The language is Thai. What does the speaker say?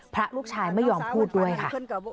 พระลูกชายไม่ยอมพูดด้วยค่ะ